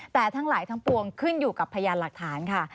แต่ทั้งหลายทั้งปวงขึ้นอยู่กับพยานหลักฐานค่ะ